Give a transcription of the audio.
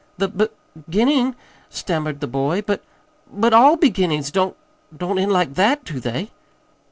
"The b beginning?" stammered the boy. "But but ALL beginnings don't don't end like that, do they?"